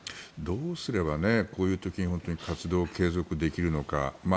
どうすれば、こういう時に活動を継続できるのか。